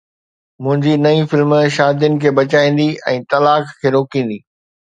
منهنجي نئين فلم شادين کي بچائيندي ۽ طلاق کي روڪيندي